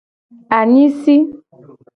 Anyisi.